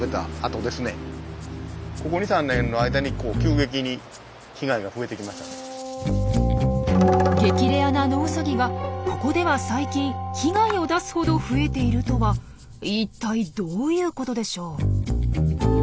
激レアなノウサギがここでは最近被害を出すほど増えているとは一体どういうことでしょう？